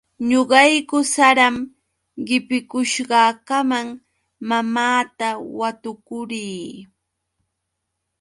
Ñuqayku saram qipikushqakamam mamaata watukuu rii.